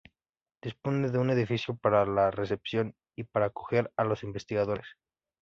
Dispone de un edificio para la recepción y para acoger a los investigadores.